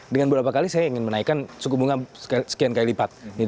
dengan berapa kali saya ingin menaikkan suku bunga sekian kali lipat